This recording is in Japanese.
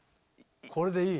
これでいい。